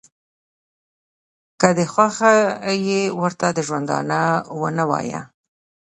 که دې خوښه ي ورته د ژوندانه ونه وایه.